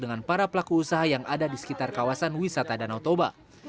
dengan para pelaku usaha yang ada di sekitar kawasan wisata danau toba